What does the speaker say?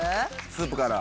スープから。